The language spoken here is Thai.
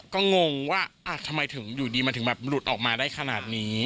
ก็งงว่าทำไมถึงอยู่ดีมันถึงแบบหลุดออกมาได้ขนาดนี้